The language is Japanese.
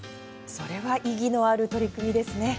それは意義のある取り組みですね。